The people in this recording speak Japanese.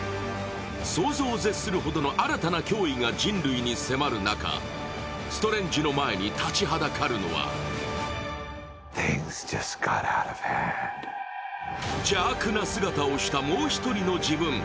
想像を絶するほどの新たな脅威が人類に迫る中、ストレンジの前に立ちはだかるのは邪悪な姿をした、もう１人の自分。